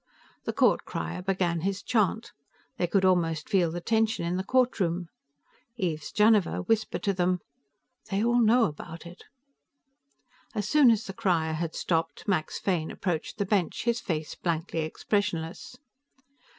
The court crier began his chant. They could almost feel the tension in the courtroom. Yves Janiver whispered to them: "They all know about it." As soon as the crier had stopped, Max Fane approached the bench, his face blankly expressionless.